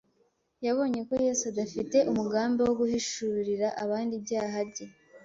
Yabonye ko Yesu adafite umugambi wo guhishurira abandi ibyaha bye